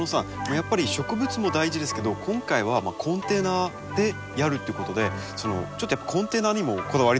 やっぱり植物も大事ですけど今回はコンテナでやるということでちょっとやっぱコンテナにもこだわりたいじゃないですか。